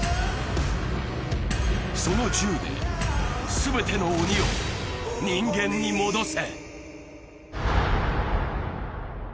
その銃で全ての鬼を人間に戻せ。